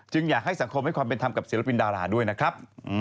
อยากให้สังคมให้ความเป็นธรรมกับศิลปินดาราด้วยนะครับ